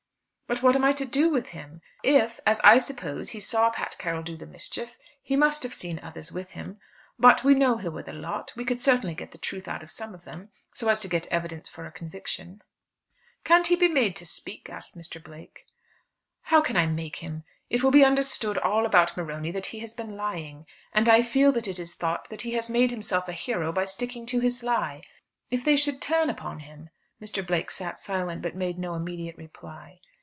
"But what am I to do with him? If, as I suppose, he saw Pat Carroll do the mischief, he must have seen others with him. If we knew who were the lot, we could certainly get the truth out of some of them, so as to get evidence for a conviction." "Can't he be made to speak?" asked Mr. Blake. "How can I make him? It will be understood all about Morony that he has been lying. And I feel that it is thought that he has made himself a hero by sticking to his lie. If they should turn upon him?" Mr. Blake sat silent but made no immediate reply.